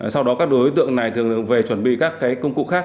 sau đó các đối tượng này thường về chuẩn bị các công cụ khác